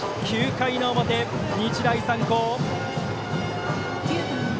９回の表、日大三高。